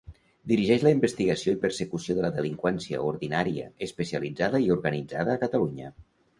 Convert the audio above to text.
Dirigeix la investigació i persecució de la delinqüència ordinària, especialitzada i organitzada a Catalunya.